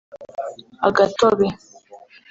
agatobe